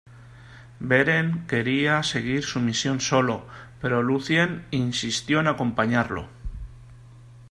Beren quería seguir su misión solo, pero Lúthien insistió en acompañarlo.